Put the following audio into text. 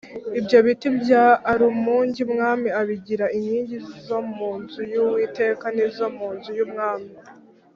Ibyo biti bya alumugi umwami abigira inkingi zo mu nzu y’Uwiteka n’izo mu nzu y’umwami